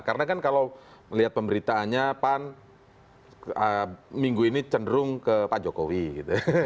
karena kan kalau melihat pemberitaannya pan minggu ini cenderung ke pak jokowi gitu